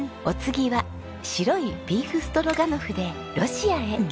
お次は白いビーフストロガノフでロシアへ。